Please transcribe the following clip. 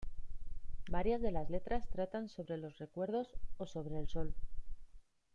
Varias de las letras tratan sobre los recuerdos o sobre el sol.